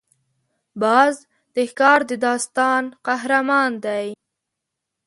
باز د ښکار د داستان قهرمان دی